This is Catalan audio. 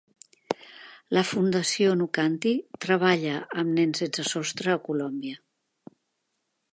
La Fundació Nukanti treballa amb nens sense sostre a Colòmbia.